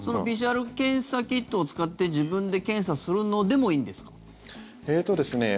ＰＣＲ検査キットを使って自分で検査するのでもいいんですか？